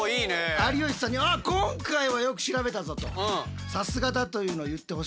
有吉さんに「あっ今回はよく調べたぞ」と「さすがだ」というのを言ってほしいので。